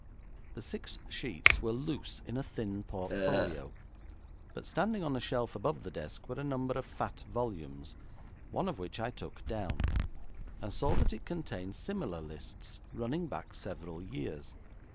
The six sheets were loose in a thin portfolio, but standing on a shelf above the desk were a number of fat volumes, one of which I took down, and saw that it contained similar lists running back several years.